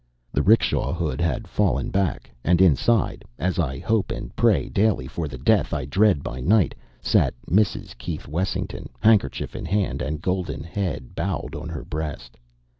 The 'rickshaw hood had fallen back, and inside, as I hope and pray daily for the death I dread by night, sat Mrs. Keith Wessington, handkerchief in hand, and golden head bowed on her breast.